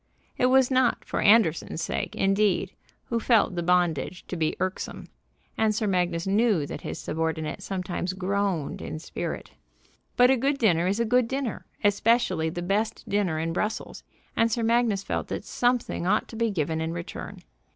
It was not for Anderson's sake, indeed, who felt the bondage to be irksome; and Sir Magnus knew that his subordinate sometimes groaned in spirit. But a good dinner is a good dinner, especially the best dinner in Brussels, and Sir Magnus felt that something ought to be given in return.